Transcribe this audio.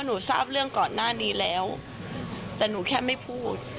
ทราบเรื่องก่อนหน้านี้แล้วแต่หนูแค่ไม่พูด